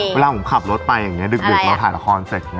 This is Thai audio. เวลาผมขับรถไปอย่างนี้ดึกเราถ่ายละครเสร็จ